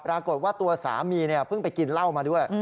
ปรากฏว่าตัวสามีเพิ่งไปกินเหล้ามาด้วย